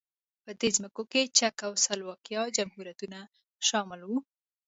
په دې ځمکو کې چک او سلواکیا جمهوریتونه شامل وو.